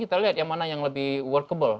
kita lihat yang mana yang lebih workable